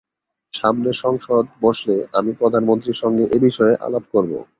সামনে সংসদ বসলে আমি প্রধানমন্ত্রীর সঙ্গে এ বিষয়ে আলাপ করব।